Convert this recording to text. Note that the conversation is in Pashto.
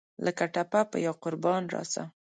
لکه ټپه پۀ یاقربان راسه !